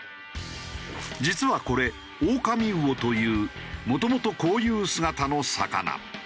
実はこれオオカミウオというもともとこういう姿の魚。